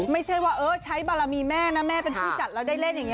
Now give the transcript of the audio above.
ไม่ใช่ว่าเออใช้บารมีแม่นะแม่เป็นผู้จัดแล้วได้เล่นอย่างนี้